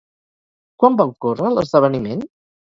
Quan va ocórrer l'esdeveniment?